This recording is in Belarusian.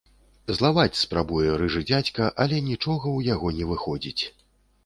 Злаваць спрабуе рыжы дзядзька, але нічога ў яго не выходзіць.